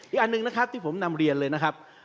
อีกอันหนึ่งนะครับที่ผมนำเรียนเลยนะครับ